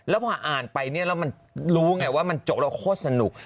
แล้วพออ่านไปเนี่ยแล้วมันรู้ไงว่ามันจบแล้วโคตรสนุก